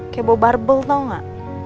kayak bawa barbel tau gak